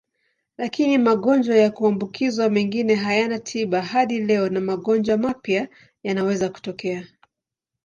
Lakini magonjwa ya kuambukizwa mengine hayana tiba hadi leo na magonjwa mapya yanaweza kutokea.